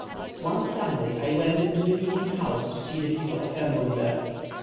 One Sunday I went into the meeting house to see the people assembled there.